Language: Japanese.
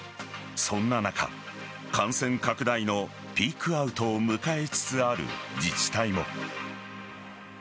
そんな中感染拡大のピークアウトを迎えつつある自治体も。